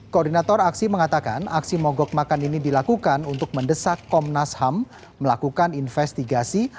koordinator aksi mengatakan aksi mogok makan ini dilakukan untuk mendesak komnas ham melakukan investigasi